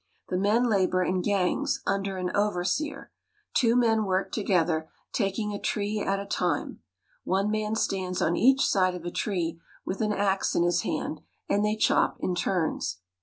The men labor in gangs, under an overseer. Two men work together, taking a tree at a time. One man stands on each side of a tree, with an ax in his hand, and they chop in turns.